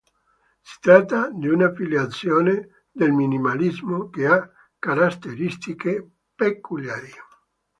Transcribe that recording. Si tratta di una filiazione del minimalismo che ha caratteristiche peculiari.